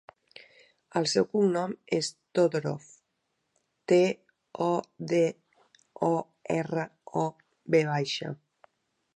El seu cognom és Todorov: te, o, de, o, erra, o, ve baixa.